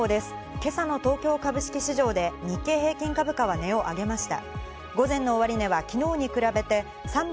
今朝の東京株式市場で日経平均株価は値を上げました。